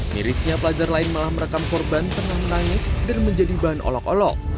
mirisnya pelajar lain malah merekam korban tengah menangis dan menjadi bahan olok olok